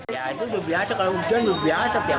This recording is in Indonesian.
ya itu lebih aset kalau hujan lebih aset ya